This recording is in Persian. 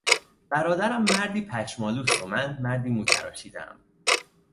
برادرم مردی پشمالو است و من مردی مو تراشیدهام.